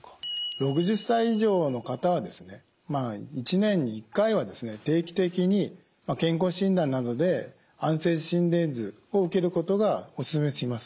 ６０歳以上の方は１年に１回は定期的に健康診断などで安静時心電図を受けることがお勧めします。